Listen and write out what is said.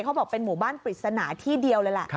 เขาบอกเป็นหมู่บ้านปริศนาที่เดียวเลยแหละ